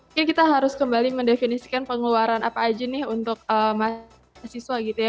mungkin kita harus kembali mendefinisikan pengeluaran apa aja nih untuk mahasiswa gitu ya